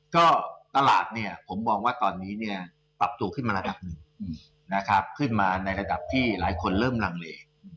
ก็ตลาดผมว่าตอนนี้ปรับตัวขึ้นมาระดับหนึ่งขึ้นมาในระดับที่หลายคนเริ่มรังเล